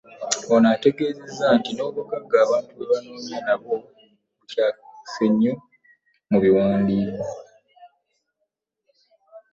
Ono ategeezezza nti n'obuggaga abantu bwebanoonya nabo bukwekeddwa mu biwandiiko.